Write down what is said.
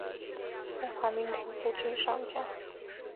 中华民国陆军上将。